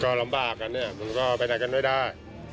ก็ลำบากกันเนี่ยมันก็ไปไหนกันไม่ได้